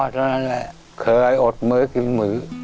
ไปหาหมอเคยอดมือกินมือ